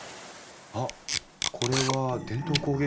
あっこれは伝統工芸品ですか？